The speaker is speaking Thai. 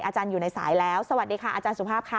อาจารย์อยู่ในสายแล้วสวัสดีค่ะอาจารย์สุภาพค่ะ